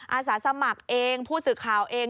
อาสาสมัครเองผู้สื่อข่าวเอง